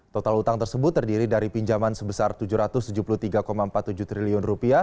total utang tersebut terdiri dari pinjaman sebesar rp tujuh ratus tujuh puluh tiga empat puluh tujuh triliun